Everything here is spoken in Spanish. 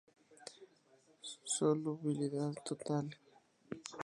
Solubilidad: total.